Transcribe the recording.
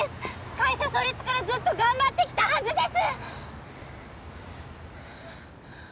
会社創立からずっと頑張ってきたはずです！